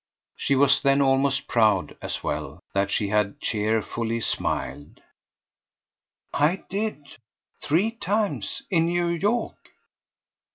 She was then almost proud, as well, that she had cheerfully smiled. "I did three times in New York."